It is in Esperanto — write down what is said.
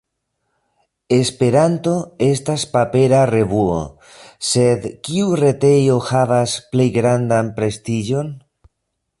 Esperanto estas papera revuo, sed kiu retejo havas plej grandan prestiĝon?